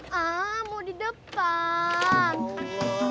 haah mau di depan